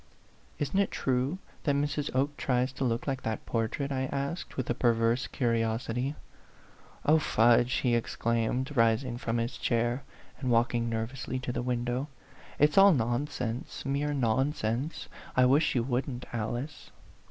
"Isn't it true that Mrs. Oke tries to look like that portrait ?" I asked, with a perverse curiosity. A PHANTOM LOVER. 89 " Oh, fudge !" he exclaimed, rising from his chair and walking nervously to the win dow. "It's all nonsense, mere nonsense. I wish you wouldn't, Alice."